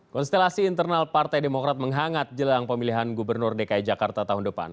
konstelasi internal partai demokrat menghangat jelang pemilihan gubernur dki jakarta tahun depan